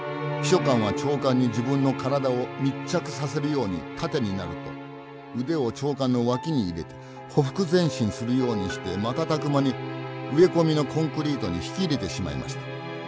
秘書官は長官に自分の体を密着させるように盾になると腕を長官の脇に入れてほふく前進するようにして瞬く間に植え込みのコンクリートに引き入れてしまいました。